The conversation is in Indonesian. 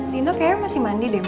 nino kayaknya masih mandi deh ma